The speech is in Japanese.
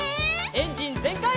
エンジンぜんかい！